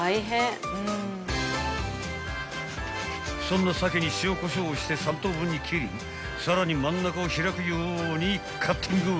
［そんなサケに塩こしょうをして３等分に切りさらに真ん中を開くようにカッティング］